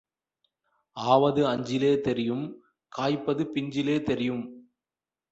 ஆவது அஞ்சிலே தெரியும் காய்ப்பது பிஞ்சிலே தெரியும்.